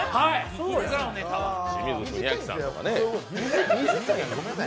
清水国明さんとかね。